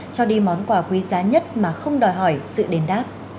cho đi món quà quý giá nhất mà không đòi hỏi sự đền đáp